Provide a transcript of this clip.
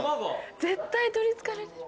絶対取りつかれてる。